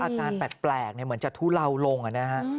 อาการแปลกเนี่ยเหมือนจะทุเลาลงอ่ะนะฮะ